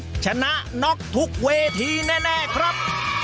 มีหวังชนะน็อคทุกเวทีแน่ครับ